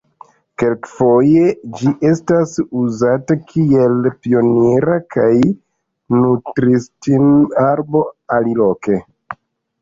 Kelkfoje ĝi estas uzata kiel pionira kaj nutristin-arbo aliloke.